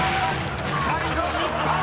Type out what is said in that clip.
解除失敗！］